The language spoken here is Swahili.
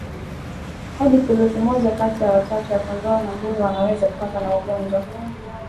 hadi thuluthi moja kati ya watatu ya kondoo na mbuzi wanaweza kupatwa na ugonjwa